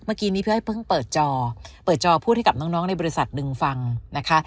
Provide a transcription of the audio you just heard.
เมื่อกี้นี้พี่อ้อยเพิ่งเปิดจอเปิดจอพูดให้กับน้องในบริษัทหนึ่งฟังนะคะ